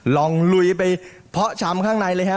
ลุยไปเพาะชำข้างในเลยฮะ